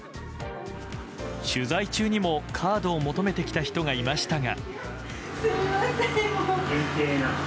取材中にもカードを求めて来た人がいましたが。